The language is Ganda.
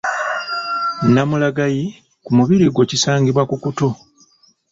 Namulagayi ku mubiri gwo kisangibwa ku kutu.